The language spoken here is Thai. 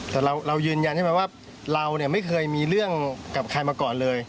แต่เรายืนยันใช่ไหมว่าเราเนี่ยไม่เคยมีเรื่องกับใครมาก่อนเลย